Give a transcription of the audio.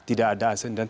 tidak ada asean